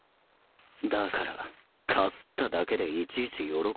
だからかすっただけでいちいち喜ぶな。